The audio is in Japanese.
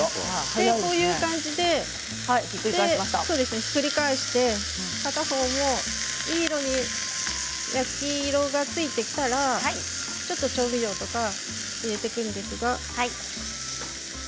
こういう感じでひっくり返して裏面もいい焼き色がついてきたら調味料とかを入れていきます。